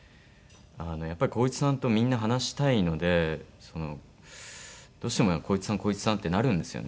やっぱり浩市さんとみんな話したいのでどうしても浩市さん浩市さんってなるんですよね。